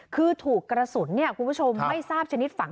คือถูกกระสุนคุณผู้ชมไม่ทราบชนิดฝัง